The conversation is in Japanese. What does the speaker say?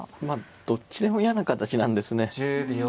まあどっちでも嫌な形なんですね。